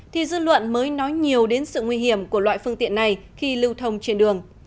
thì dư luận mới nói nhiều đến sự nguy hiểm của loại phương tiện này khi lưu thông trên đường